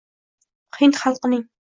Hind xalqining